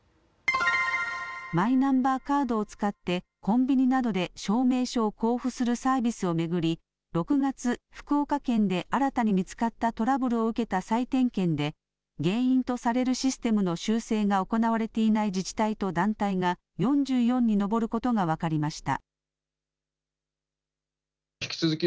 マイナンバーカードを使ってコンビニなどで証明書を交付するサービスを巡り６月、福岡県で新たに見つかったトラブルを受けた再点検で原因とされるシステムの修正が行われていない自治体と団体が４４に上ることが分かりました。